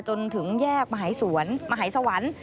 จนถึงแยกมหาสวรรค์มหาสวรรค์